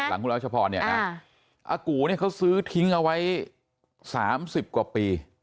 หลังพุนิราชพรอากูเขาซื้อทิ้งไว้๓๐กว่าปี